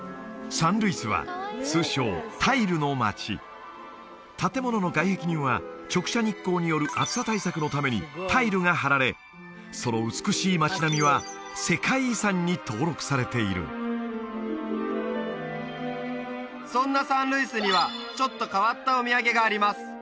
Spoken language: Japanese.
サン・ルイスは通称建物の外壁には直射日光によるその美しい街並みは世界遺産に登録されているそんなサン・ルイスにはちょっと変わったお土産があります